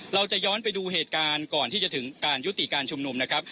เราจะย้อนไปดูเหตุการณ์ก่อนที่จะถึงการยุติการชุมนุมนะครับ